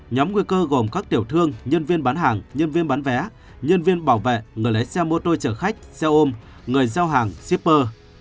nhóm nguy cơ gồm các tiểu thương nhân viên bán hàng nhân viên bán vé nhân viên bảo vệ người lấy xe mô tô chở khách xe ôm người giao hàng shipper